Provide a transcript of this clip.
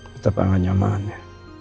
tetap hangat nyamannya